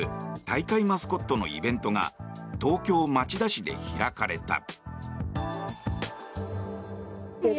大会マスコットのイベントが東京・町田市で開かれた。